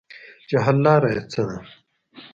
چې حل لاره ئې څۀ ده -